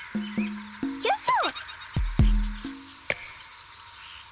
よいしょ。